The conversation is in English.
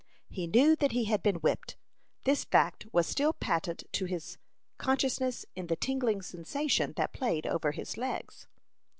He knew that he had been whipped; this fact was still patent to his consciousness in the tingling sensation that played over his legs.